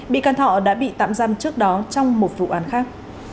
bị can thọ đã bị tạm giam trước đó trong một vụ án khác